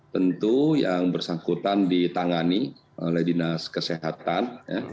tentu yang bersangkutan ditangani oleh dinas kesehatan